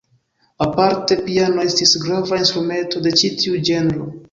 Aparte piano estis grava instrumento de ĉi tiu ĝenro.